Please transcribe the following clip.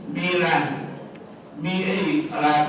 มีละมีอะไรอีก